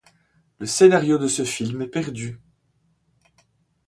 Le scénario de ce film est perdu.